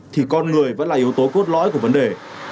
thì con người vẫn là yếu tố cốt lõi của vấn đề